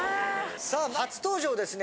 さあ初登場ですね。